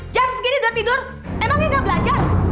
jam segini udah tidur emangnya nggak belajar